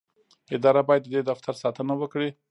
اداره باید د دې دفتر ساتنه وکړي.